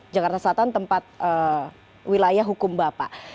jakarta selatan tempat wilayah hukum bapak